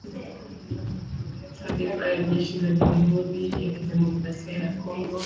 Taarifa ya jeshi la Jamhuri ya kidemokrasia ya Kongo.